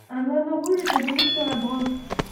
Un autre oiseau rouge était venu sur la branche.